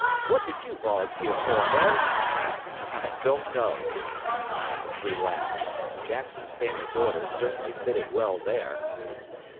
What did you volunteer for, Harry?" "I don't know." The three laughed. Jackson's famous order certainly fitted well there.